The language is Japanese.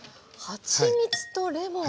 はちみつとレモン。